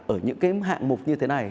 ở những hạng mục như thế này